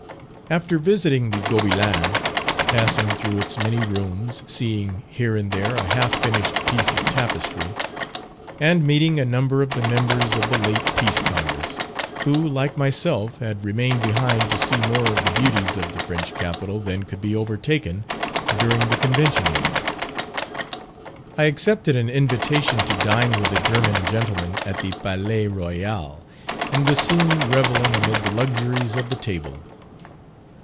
After visiting the Gobelins, passing through its many rooms, seeing here and there a half finished piece of tapestry; and meeting a number of the members of the late Peace Congress, who, like myself had remained behind to see more of the beauties of the French capital than could be overtaken during the Convention week. I accepted an invitation to dine with a German gentleman at the Palais Royal, and was soon revelling amid the luxuries of the table.